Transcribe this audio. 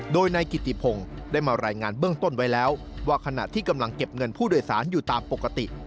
โดยนายกิติพงศ์ได้มารายงานเบื้องต้นไว้แล้วว่าขณะที่กำลังเก็บเงินผู้โดยสารอยู่ตามปกติ